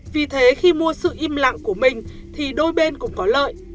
vì thế khi mua sự im lặng của mình thì đôi bên cũng có lợi